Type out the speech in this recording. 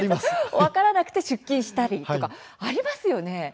分からなくて出勤したりということがありますよね。